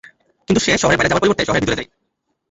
কিন্তু সে শহরের বাইরে যাবার পরিবর্তে শহরের ভিতর যায়।